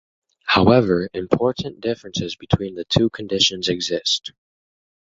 However, important differences between the two conditions exist.